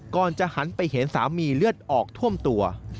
ก่อนจะหันไปเห็นสามีเลือดออกท่วมตัว